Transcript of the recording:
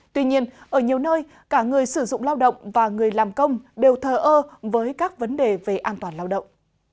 tuy nhiên ở nhiều nơi cả người sử dụng lao động và người làm công đều thờ ơ với các vấn đề về an toàn lao động